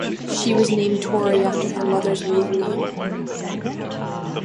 She was named Torrey after her mother's maiden name.